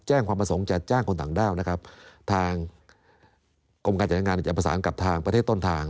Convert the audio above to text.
แจ้งความประสงค์จะจ้างคนต่างด้าวนะครับทางกรมการจัดงานจะประสานกับทางประเทศต้นทาง